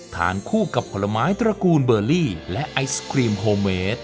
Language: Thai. ทานคู่กับผลไม้ตระกูลเบอร์ลี่และไอศครีมโฮเมด